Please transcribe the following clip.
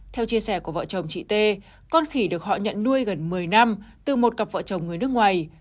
theo chia sẻ của vợ chồng chị t con khỉ được họ nhận nuôi gần một mươi năm từ một cặp vợ chồng người nước ngoài